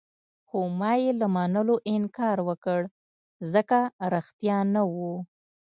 خو ما يې له منلو انکار وکړ، ځکه ريښتیا نه وو.